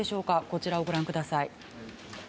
こちらをご覧ください。